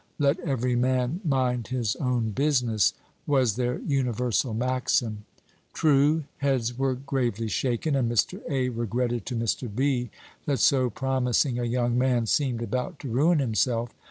"Let every man mind his own business" was their universal maxim. True, heads were gravely shaken, and Mr. A. regretted to Mr. B. that so promising a young man seemed about to ruin himself.